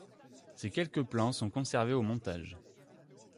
Ces quelques plans sont conservés au montage.